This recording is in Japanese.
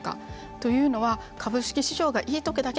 というのは株式市場がいいときだけ